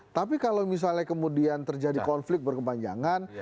tapi kalau misalnya kemudian terjadi konflik berkepanjangan